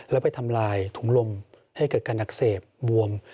แล้วไปทำลายถุงลมให้เกิดการอักเสบบวม